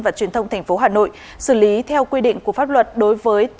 và truyền thông tp hà nội xử lý theo quy định của pháp luật đối với